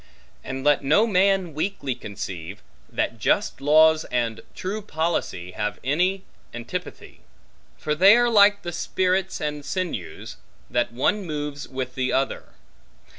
And let no man weakly conceive, that just laws and true policy have any antipathy; for they are like the spirits and sinews, that one moves with the other.